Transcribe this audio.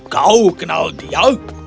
kau kenal dia